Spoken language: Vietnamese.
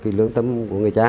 cái lương tâm của người cha